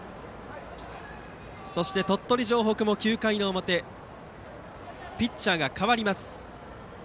そして鳥取城北も９回表、ピッチャーが代わります。